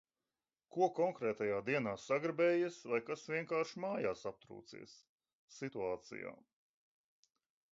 Ko konkrētajā dienā sagribējies vai kas vienkārši mājās aptrūcies. Situācijā.